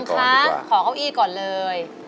ขอเก้าอี้ก่อนเลย